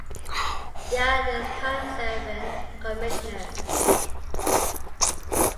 There are at this time seven commissioners.